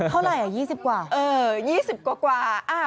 เท่าไหร่๒๐กว่า